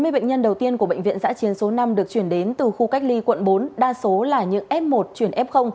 hai mươi bệnh nhân đầu tiên của bệnh viện giã chiến số năm được chuyển đến từ khu cách ly quận bốn đa số là những f một chuyển f